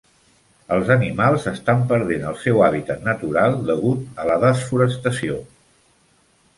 Els animals estan perdent el seu hàbitat natural degut a la desforestació.